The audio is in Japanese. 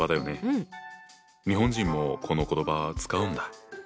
日本人もこの言葉使うんだ。